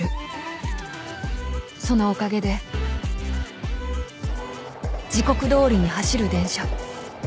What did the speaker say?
［そのおかげで時刻どおりに走る電車］